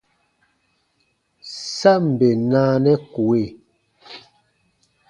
Sa ǹ bè naanɛ kue.